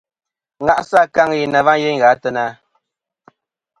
Ŋa'sɨ akaŋ yeyn na va yeyn gha a teyna.